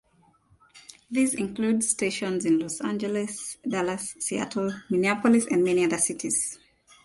These include stations in Los Angeles, Dallas, Seattle, Minneapolis and many other cities.